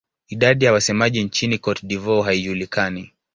Idadi ya wasemaji nchini Cote d'Ivoire haijulikani.